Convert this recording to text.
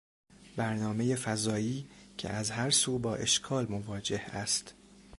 برنامهی فضایی که از هر سو با اشکال مواجه است